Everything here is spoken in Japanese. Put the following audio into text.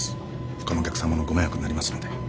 ほかのお客さまのご迷惑になりますので。